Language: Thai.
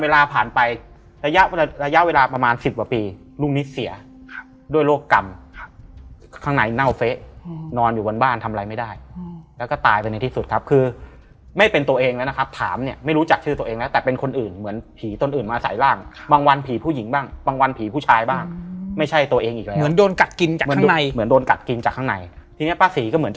ระยะเวลาประมาณสิบกว่าปีรุ่นนี้เสียด้วยโรคกรรมข้างในเน่าเฟ๊ะนอนอยู่บนบ้านทำอะไรไม่ได้แล้วก็ตายไปในที่สุดครับคือไม่เป็นตัวเองแล้วนะครับถามเนี่ยไม่รู้จักชื่อตัวเองแล้วแต่เป็นคนอื่นเหมือนผีต้นอื่นมาใส่ร่างบางวันผีผู้หญิงบ้างบางวันผีผู้ชายบ้างไม่ใช่ตัวเองอีกแล้วเหมือนโดนกัดกินจากข้างในเห